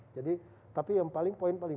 jadi tapi yang paling poin paling